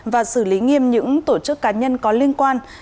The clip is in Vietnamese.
và xử lý nghiêm những tổ chức cá nhân có liên quan